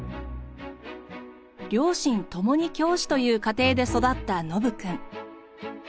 両親共に教師という家庭で育ったノブくん。